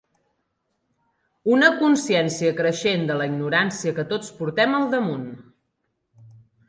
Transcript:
Una consciència creixent de la ignorància que tots portem al damunt.